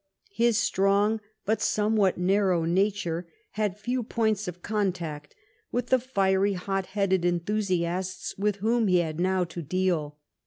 Ilis strong but somewhat narrow nature had few jioints of contact with the fiery, hot headed 112 EDWARD I cHAr. enthusiasts with whom he had now to deal.